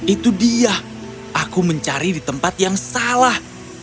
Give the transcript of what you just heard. itu dia aku mencari di tempat yang salah